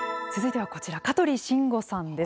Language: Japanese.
続いてはこちら、香取慎吾さんです。